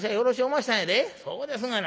そうですがな。